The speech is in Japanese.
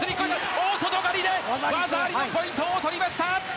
大外刈りで技ありのポイントを取りました！